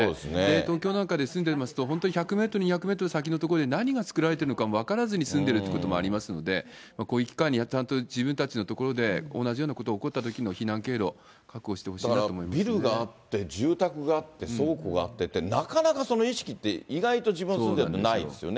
東京なんかで住んでますと、本当に１００メートル、２００メートル先の所で何が作られているのかも分からずに住んでるということもありますので、こういう機会に、自分たちの所で、同じようなこと起こったときの避難経路、確保してほしいなと思いビルがあって、住宅があって、倉庫があってって、なかなかその意識って、意外と自分が住んでるとないですよね。